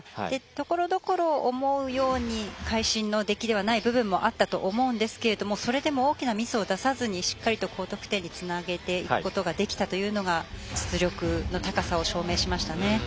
ところどころ思うように会心の出来ではない部分もあったと思うんですけれどもそれでも大きなミスを出さずにしっかりと高得点につなげていくことができたというのは実力の高さを証明しましたね。